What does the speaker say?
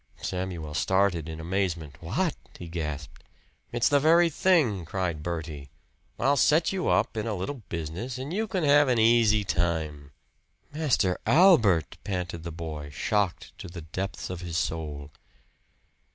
Samuel started in amazement. "What!" he gasped. "It's the very thing!" cried Bertie. "I'll set you up in a little business, and you can have an easy time." "Master Albert!" panted the boy shocked to the depths of his soul.